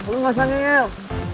lu gak usah nge el